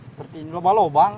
seperti ini loba loba bang